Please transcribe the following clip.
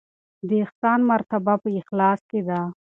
د احسان مرتبه په اخلاص کې ده.